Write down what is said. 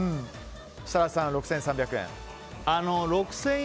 設楽さん、６３００円。